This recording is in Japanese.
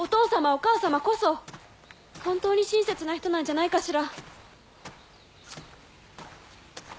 お母様こそ本当に親切な人なんじゃないかしら。